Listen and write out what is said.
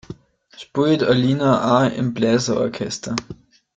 Spielt Alina auch im Bläser-Orchester?